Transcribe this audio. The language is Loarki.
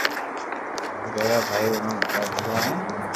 ڀارا بائي رو نوم موننو ھي